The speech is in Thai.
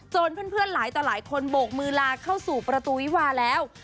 เพื่อนหลายต่อหลายคนโบกมือลาเข้าสู่ประตูวิวาแล้ว